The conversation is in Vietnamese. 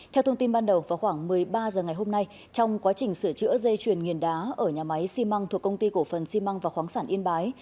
theo thông tin ban đầu vào khoảng một mươi ba h ngày hôm nay trong quá trình sửa chữa dây chuyền nghiền đá ở nhà máy xi măng thuộc công ty cổ phần xi măng và khoáng sản yên bái